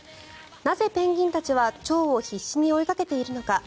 なぜ、ペンギンたちはチョウを必死に追いかけているのか